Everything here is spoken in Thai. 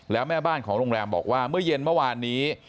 แล้วแม่บ้านของโรงแรมบอกว่าเมื่อเย็นเมื่อวานนี้